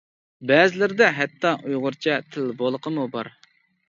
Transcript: بەزىلىرىدە ھەتتا ئۇيغۇرچە تىل بولىقىمۇ بار.